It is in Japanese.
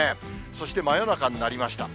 そして、真夜中になりました。